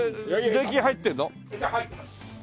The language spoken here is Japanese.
税金入ってます。